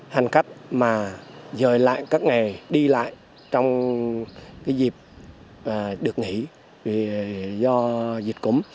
hàn khắc mà dời lại các nghề đi lại trong cái dịp được nghỉ do dịch cúm